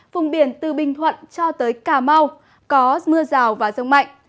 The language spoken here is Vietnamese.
vùng biển từ bình thuận cho tới cà mau có mưa rào và rông mạnh